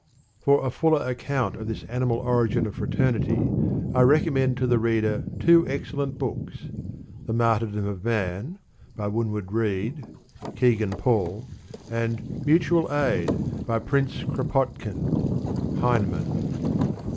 For a fuller account of this animal origin of fraternity I recommend the reader to two excellent books, The Martyrdom of Man, by Winwood Reade (Kegan Paul), and Mutual Aid, by Prince Kropotkin (Heinemann).